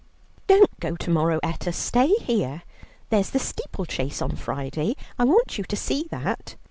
"Don't go to morrow, Etta stay here. There's the Steeplechase on Friday; I want you to see that."